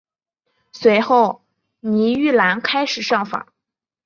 随后倪玉兰开始上访。